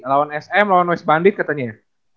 lawan sm lawan west bandit katanya ya